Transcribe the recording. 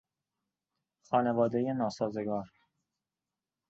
خانوادهی ناسازگار